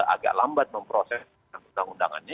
agak lambat memproses undang undangannya